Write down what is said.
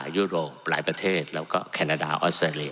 ยุโรปหลายประเทศแล้วก็แคนาดาออสเตรเลี